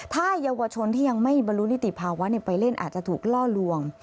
ถ้าเยาวชนที่ยังไม่บรรลุนิติภาวะไปเล่นอาจจะถูกล่อลวง